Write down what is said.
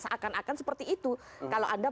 seakan akan seperti itu kalau anda